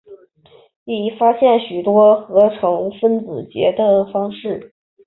已发现许多合成分子结的方式。